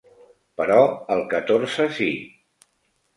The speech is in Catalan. Però el catorze sí.